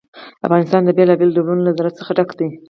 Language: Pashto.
افغانستان د بېلابېلو ډولونو له زراعت څخه ډک دی.